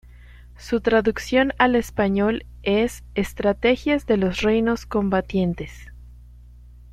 Su traducción al español es "Estrategias de los Reinos Combatientes".